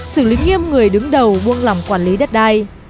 sử lý nghiêm người đứng đầu buông lòng quản lý đất đai